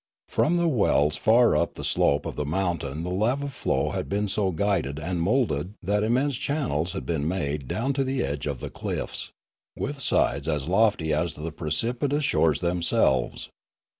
From the wells far up the slope of the mountain the lava flow had been so guided and moulded that immense channels had been made down to the edge of the cliffs, with sides as lofty as the precipitous shores themselves.